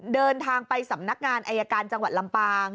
เดินทางไปสำนักงานอายการจังหวัดลำปาง